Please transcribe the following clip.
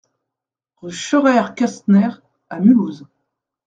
Rue Scheurer-Kestner à Mulhouse